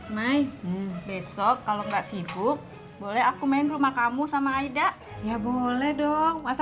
mai besok kalau nggak sibuk boleh aku main rumah kamu sama aida ya boleh dong masa